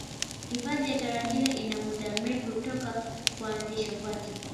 Hifadhi ya Tarangire ina muda mrefu toka kuanzishwa kwake